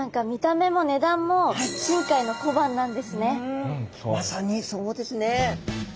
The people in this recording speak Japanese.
え何かまさにそうですね。